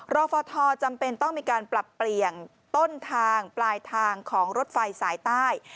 รอฟทจำเป็นต้องมีการปรับเปลี่ยนต้นทางปลายทางของรถไฟสายใต้